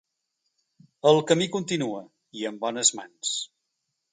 El camí continua, i en bones mans.